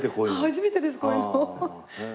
初めてですこういうの。